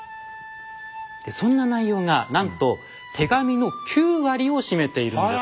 そんな内容がなんと手紙の９割を占めているんです。